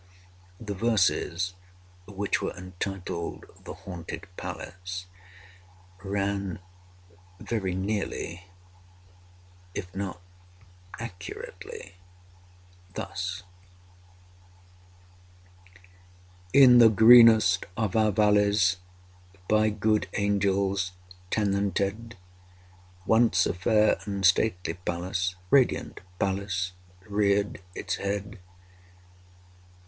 The verses, which were entitled "The Haunted Palace," ran very nearly, if not accurately, thus: I. In the greenest of our valleys, By good angels tenanted, Once a fair and stately palace— Radiant palace—reared its head.